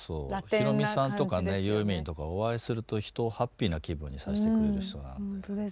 ひろみさんとかねユーミンとかお会いすると人をハッピーな気分にさせてくれる人なんで。